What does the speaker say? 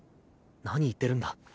何言ってるんだ。